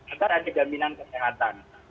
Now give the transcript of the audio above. agar ada gambinan kesehatan